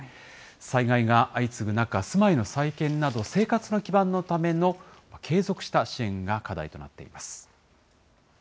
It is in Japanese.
災害が相次ぐ中、住まいの再建など、生活の基盤のための継続した支援が課題となっています。